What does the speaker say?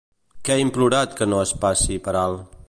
Què ha implorat que no es passi per alt?